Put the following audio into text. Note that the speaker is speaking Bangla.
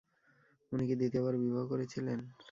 উনি কি দ্বিতীয়বার বিবাহ করেছিলেন?